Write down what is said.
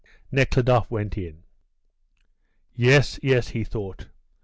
Nekhludoff went in. "Yes, yes," he thought.